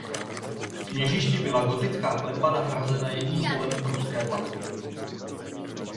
V kněžišti byla gotická klenba nahrazena jedním polem pruské placky.